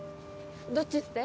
どっちって？